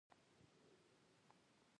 دغو درې واړو ډلو ځانونه واقعي اهل سنت ګڼل.